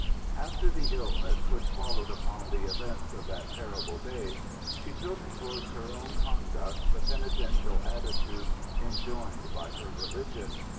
After the illness which followed upon the events of that terrible day, she took towards her own conduct the penitential attitude enjoined by her religion.